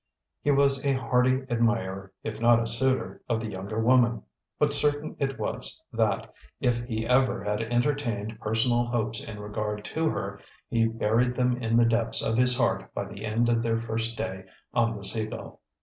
He was a hearty admirer, if not a suitor, of the younger woman; but certain it was, that, if he ever had entertained personal hopes in regard to her, he buried them in the depths of his heart by the end of their first day on the Sea Gull.